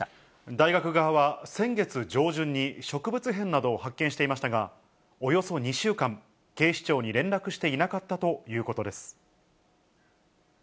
大学側は先月上旬に、植物片などを発見していましたが、およそ２週間、警視庁に連絡していなかったということです。